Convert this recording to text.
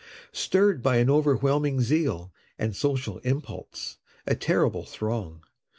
Stirr'd by an overwhelming zeal, And social impulse, a terrible throng!